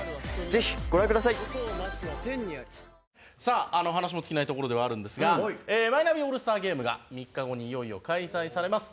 「ぜひご覧ください」さあお話も尽きないところではあるんですがマイナビオールスターゲームが３日後にいよいよ開催されます。